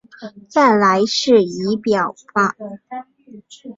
再来是仪表板